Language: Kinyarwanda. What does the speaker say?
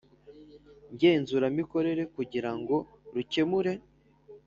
Ngenzuramikorere kugira ngo rukemure